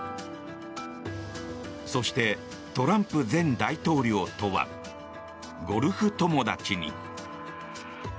そして、トランプ前大統領とはゴルフ友達に。